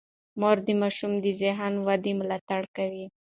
مور د ماشومانو د ذهني ودې ملاتړ کوي.